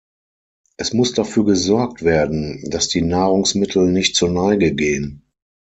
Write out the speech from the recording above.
Es muss dafür gesorgt werden, dass die Nahrungsmittel nicht zur Neige gehen.